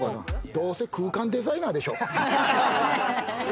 どうせ空間デザイナーでしょ。